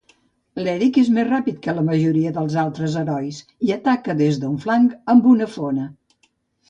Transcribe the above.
L'Erik és més ràpid que la majoria dels altres herois, i ataca des d'un flanc amb una fona.